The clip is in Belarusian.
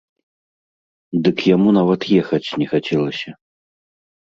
Дык яму нават ехаць не хацелася.